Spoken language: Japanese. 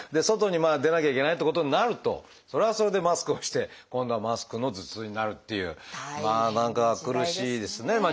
外に出なきゃいけないってことになるとそれはそれでマスクをして今度はマスクの頭痛になるっていうまあ何か苦しいですね。